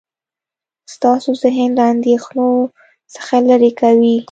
ستاسو ذهن له اندیښنو څخه لرې کوي.